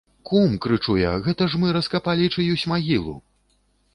Кум, крычу я, гэта ж мы раскапалі чыюсь магілу.